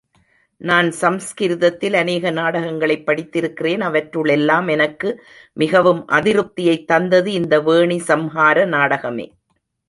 நான் சம்ஸ்கிருதத்தில் அநேக நாடகங்களைப் படித்திருக்கிறேன் அவற்றுளெல்லாம் எனக்கு மிகவும் அதிருப்தியைத் தந்தது இந்த வேணி சம்ஹார நாடகமே.